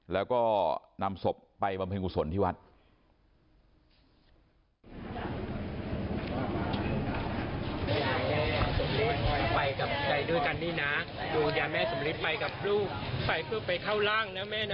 แล้วก็นำศพไปบำเพ็ญกุศลที่วัด